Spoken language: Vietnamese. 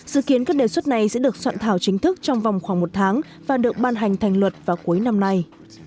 dự kiến các đề xuất này sẽ được soạn thảo chính thức trong vòng khoảng một tháng và được ban hành thành luật vào cuối năm nay